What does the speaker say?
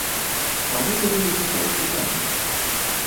Чаму тады ўзнікаюць пытанні?